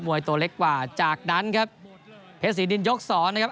วยตัวเล็กกว่าจากนั้นครับเพชรศรีดินยกสองนะครับ